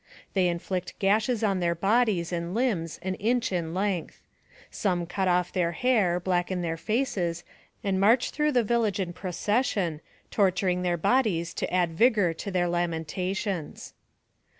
They inflict gashes on their bodies and limbs an inch in length. Some cut off their hair, blacken their faces, and march through the village in procession, torturing their bodies to add vigor to their lamentations.